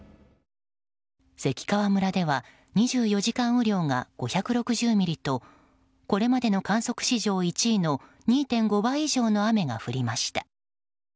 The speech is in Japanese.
関川村では２４時間雨量が５６０ミリとこれまでの観測史上１位の２．５倍以上の雨が降りました。